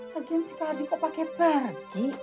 lagi si kak hardiko pakai pergi